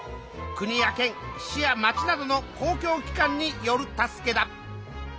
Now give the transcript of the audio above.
国や県市や町などの公共機関による助けだ。